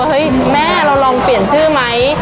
เฮ้ยแม่เราลองเปลี่ยนชื่อไหม